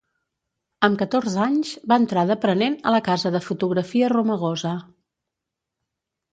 Amb catorze anys, va entrar d'aprenent a la casa de fotografia Romagosa.